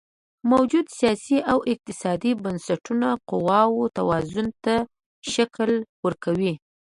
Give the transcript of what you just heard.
موجوده سیاسي او اقتصادي بنسټونه قواوو توازن ته شکل ورکوي.